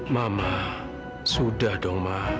mama sudah dong ma